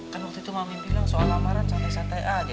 kan waktu itu mami bilang soal lamaran santai santai aja